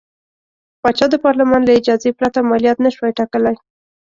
پاچا د پارلمان له اجازې پرته مالیات نه شوای ټاکلی.